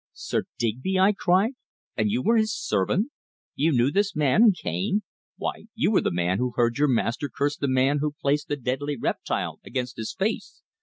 "Sir Digby!" I cried. "And you were his servant. You knew this man Cane why, you were the man who heard your master curse the man who placed the deadly reptile against his face.